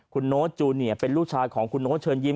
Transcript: คุณโน้ตจูเนียเป็นลูกชายของคุณโน๊ตเชิญยิ้